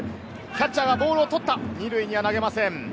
キャッチャーがボールを捕った、２塁には投げません。